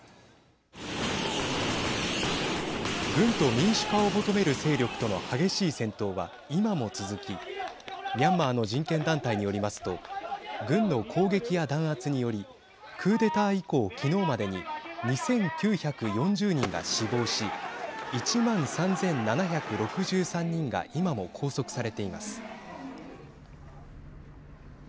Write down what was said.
軍と民主化を求める勢力との激しい戦闘は今も続きミャンマーの人権団体によりますと軍の攻撃や弾圧によりクーデター以降、昨日までに２９４０人が死亡し１万３７６３人が今も拘束されています。